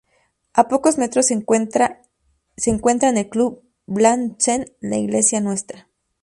A pocos metros se encuentran el Club Brandsen, la Iglesia Ntra.